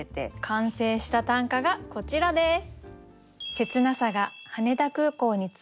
完成した短歌がこちらです。